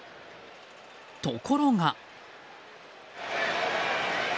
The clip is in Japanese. ところが。